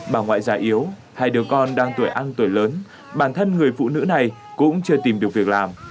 bà ngoại già yếu hai đứa con đang tuổi ăn tuổi lớn bản thân người phụ nữ này cũng chưa tìm được việc làm